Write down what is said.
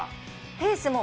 ペースも。